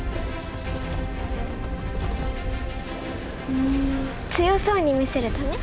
うん強そうに見せるため？